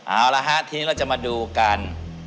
เอาละฮะทีนี้เราจะมาดูกัน